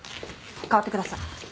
代わってください。